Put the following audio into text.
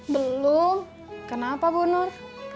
belum kenapa bu nur